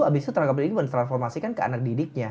abis itu tenaga pendidik men transformasikan ke anak didiknya